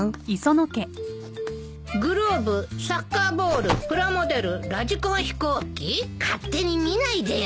「グラブ」「サッカーボール」「プラモデル」「ラジコン飛行機」勝手に見ないでよ。